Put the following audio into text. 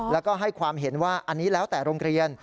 แล้วก็ให้ความเห็นว่าอันนี้แล้วแต่โรงเรียน